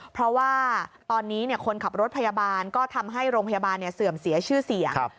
เพราะว่าตอนนี้คนขับรถพยาบาลก็ทำให้โรงพยาบาลเสื่อมเสียชื่อเสียง